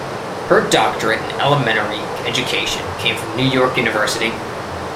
Her doctorate in elementary education came from New York University.